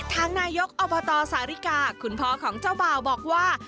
ทางนายกอบตสาริกาคุณพ่อของเจ้าบ่าวบอกว่า